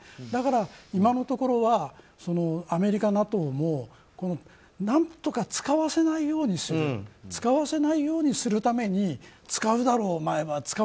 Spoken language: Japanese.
だから今のところはアメリカも何とか使わせないようにする使わせないようにするために使うだろ、お前は。